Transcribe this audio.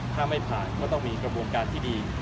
ถ้าไม่ผ่านก็ต้องมีกระบวนการที่ดี